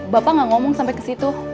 bapak gak ngomong sampai ke situ